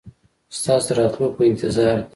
ستاسو د راتلو په انتظار دي.